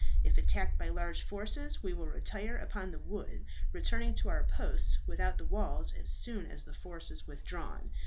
If attacked by large forces, we will retire upon the wood, returning to our posts without the walls as soon as the force is withdrawn.